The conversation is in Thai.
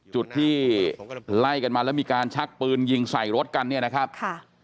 จุดที่ไล่กันมาแล้วมีการชักปืนยิงใส่รถกันเนี่ยนะครับค่ะ